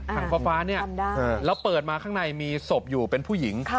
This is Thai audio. ฟ้าเนี่ยแล้วเปิดมาข้างในมีศพอยู่เป็นผู้หญิง